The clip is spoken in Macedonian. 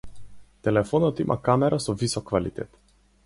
Телефонот има камера со висок квалитет.